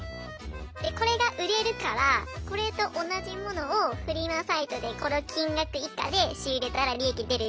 でこれが売れるからこれと同じ物をフリマサイトでこの金額以下で仕入れたら利益出るよっていうのを。